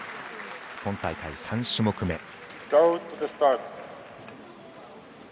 今大会３種目め。